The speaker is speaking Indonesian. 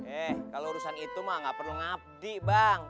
eh kalau urusan itu mah gak perlu ngabdi bang